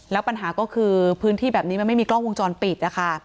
แล้วปัญหาก็คือพื้นที่แบบนี้มันไม่มีกล้องวงจรปิดนะคะ